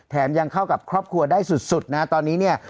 ยังเข้ากับครอบครัวได้สุดนะตอนนี้เนี่ย